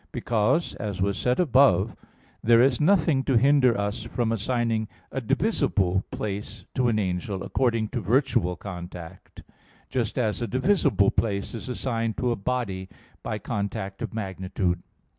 Because, as was said above (Q. 52, A. 1), there is nothing to hinder us from assigning a divisible place to an angel according to virtual contact; just as a divisible place is assigned to a body by contact of magnitude.